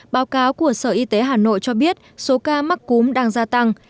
báo cáo của sở y tế hà nội cho biết số ca mắc cúm đang gia tăng